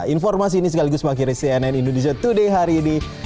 informasi ini sekaligus mengakhiri cnn indonesia today hari ini